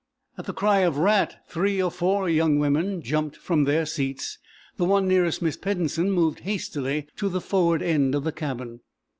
At the cry of "rat" three or four women jumped from their seats. The one nearest Miss Peddensen moved hastily to the forward end of the cabin.